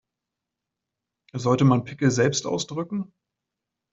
Sollte man Pickel selbst ausdrücken?